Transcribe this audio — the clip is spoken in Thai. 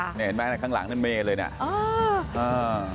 นี่เห็นไหมข้างหลังนั่นเมย์เลยเนี่ย